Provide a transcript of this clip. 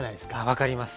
分かります。